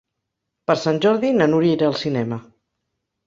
Per Sant Jordi na Núria irà al cinema.